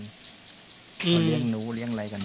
คือเรื่องหนูเรื่องอะไรกัน